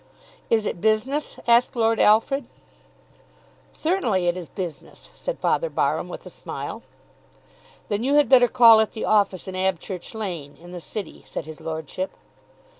"Is it business?" asked Lord Alfred. "Certainly it is business," said Father Barham with a smile. "Then you had better call at the office in Abchurch Lane, in the City," said his lordship.